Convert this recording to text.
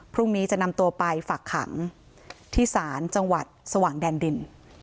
พรุ่งนี้จะนำตัวไปฝักขังที่ศาลจังหวัดสว่างแดนดิน